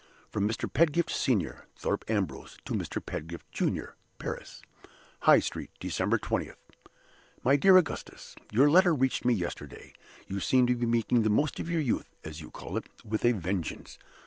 From Mr. Pedgift, Senior (Thorpe Ambrose), to Mr. Pedgift, Junior (Paris). "High Street, December 20th. "MY DEAR AUGUSTUS Your letter reached me yesterday. You seem to be making the most of your youth (as you call it) with a vengeance.